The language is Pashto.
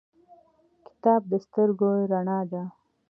کتاب د سترګو رڼا ده